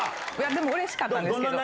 でもうれしかったんですけど。